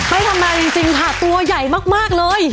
ไม่ทำไรจริงค่ะตัวใหญ่มากเลย